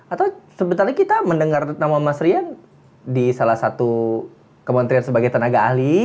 atau sebetulnya kita mendengar nama mas rian di salah satu kementerian sebagai tenaga ahli